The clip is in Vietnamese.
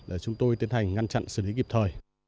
để chúng tôi tiến hành ngăn chặn xử lý kịp thời